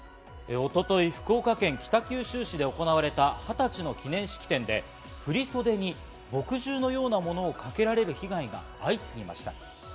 一昨日、福岡県北九州市で行われた二十歳の記念式典で振り袖に墨汁のようなものをかけられる被害が相次ぎました。